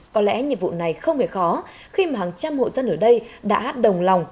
có lẽ nhiệm vụ này không hề khó khi mà hàng trăm hộ dân ở đây đã đồng lòng